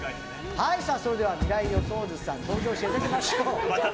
それでは未来予想図さん登場していただきましょう。